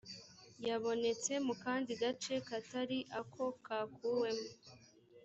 yabonetse mu kandi gace katari ako kakuwemo